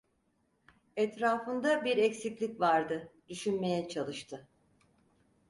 Etrafında bir eksiklik vardı, düşünmeye çalıştı.